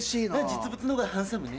実物の方がハンサムね。